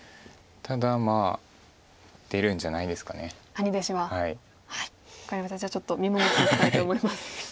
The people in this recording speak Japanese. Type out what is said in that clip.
じゃあちょっと見守っていきたいと思います。